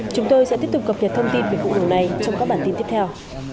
chúng tôi sẽ tiếp tục gặp nhật thông tin về vụ vụ này trong các bản tin tiếp theo